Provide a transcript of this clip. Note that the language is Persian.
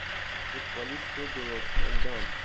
فوتبالیست درشت اندام